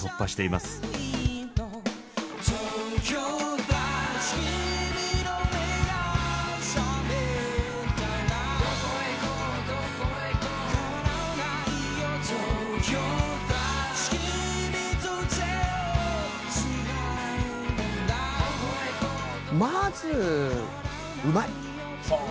まずうまい！